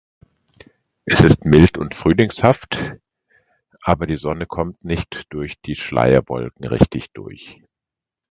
Es ist mild und frühlingshaft aber die Sonne kommt nicht durch die Schleierwolken richtig durch.